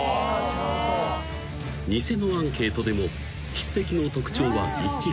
［偽のアンケートでも筆跡の特徴は一致せず］